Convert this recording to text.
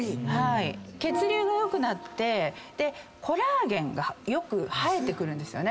血流が良くなってコラーゲンがよくはえてくるんですよね。